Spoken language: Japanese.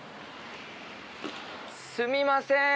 すみません！